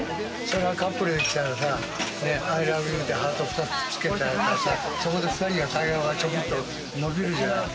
カップルで来たらさ、アイラブユーって、ハート２つつけたら、そこで２人の会話がちょっと伸びるじゃない。